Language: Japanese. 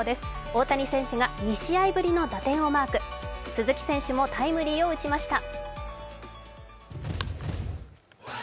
大谷選手が２試合ぶりの打点をマーク、鈴木選手もタイムリーを打ちました。